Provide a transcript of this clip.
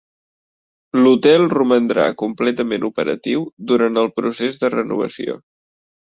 L'hotel romandrà completament operatiu durant el procés de renovació.